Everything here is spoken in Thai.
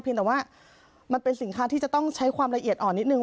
แต่ว่ามันเป็นสินค้าที่จะต้องใช้ความละเอียดอ่อนนิดนึ